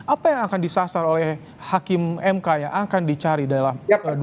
apa yang akan disasar oleh hakim mk yang akan dicari dalam